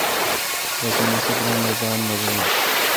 بسن اسی درام می باڑ مزہ یو۔